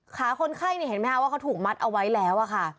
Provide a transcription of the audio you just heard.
ขาคนไข้เห็นไหมคะว่าเขาถูกมัดเอาไว้แล้ว